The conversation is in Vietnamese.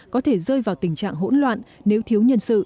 có thể rơi vào tình trạng hỗn loạn nếu thiếu nhân sự